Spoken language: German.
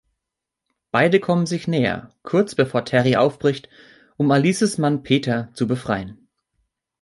Beide kommen sich näher, kurz bevor Terry aufbricht, um Alices Mann Peter zu befreien.